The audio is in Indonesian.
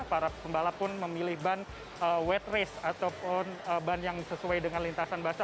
para pembalap pun memilih ban wet race ataupun ban yang sesuai dengan lintasan basah